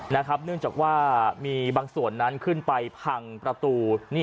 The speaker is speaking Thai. เนื่องจากว่ามีบางส่วนนั้นขึ้นไปพังประตู